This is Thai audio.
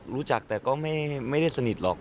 รู้จักแต่ก็ไม่ได้สนิทหรอก